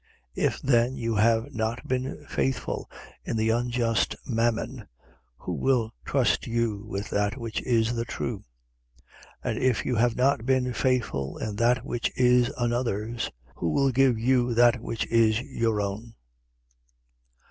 16:11. If then you have not been faithful in the unjust mammon, who will trust you with that which is the true? 16:12. And if you have not been faithful in that which is another's, who will give you that which is your own?